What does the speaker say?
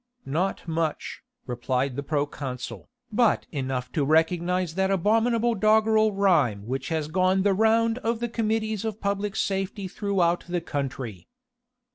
"Not much," replied the proconsul, "but enough to recognise that abominable doggrel rhyme which has gone the round of the Committees of Public Safety throughout the country."